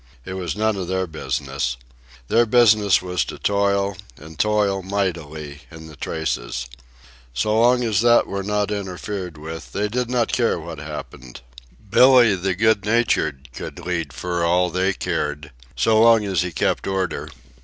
It was none of their business. Their business was to toil, and toil mightily, in the traces. So long as that were not interfered with, they did not care what happened. Billee, the good natured, could lead for all they cared, so long as he kept order.